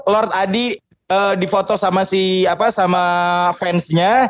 lord adi difoto sama si apa sama fansnya